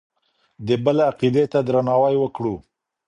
د بل عقيدې ته درناوی وکړو.